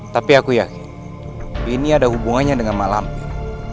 tapi aku yakin ini ada hubungannya dengan mak lampir